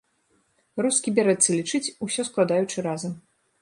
Рускі бярэцца лічыць, усё складаючы разам.